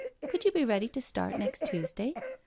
Could you be ready to start next Tuesday?